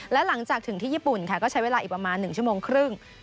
และหลังจากถึงที่ญี่ปุ่นค่ะก็ใช้เวลาอีกประมาณ๑ชั่วโมงครึ่ง